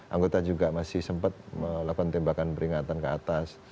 anggota juga masih sempat melakukan tembakan peringatan ke atas